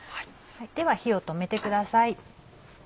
では火を止めてください。